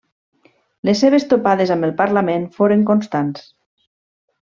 Les seves topades amb el parlament foren constants.